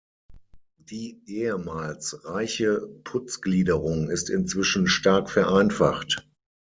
Die ehemals reiche Putzgliederung ist inzwischen stark vereinfacht.